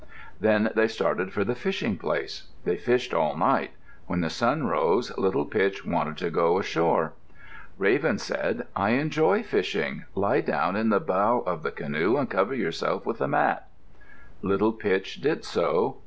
Then they started for the fishing place. They fished all night. When the sun rose Little Pitch wanted to go ashore. Raven said, "I enjoy the fishing. Lie down in the bow of the canoe and cover yourself with a mat." Little Pitch did so.